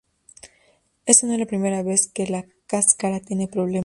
Esta no es la primera vez que La cáscara tiene problemas.